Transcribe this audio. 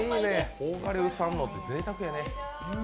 甲賀流さんのってぜいたくやね。